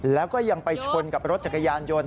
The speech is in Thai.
แล้วก็ยังไปชนกับรถจักรยานยนต์